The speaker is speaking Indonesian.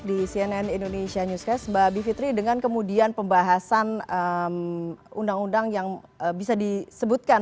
di cnn indonesia news priest memudian pembahasan undang undang yang bisa ditentukan akan dikesan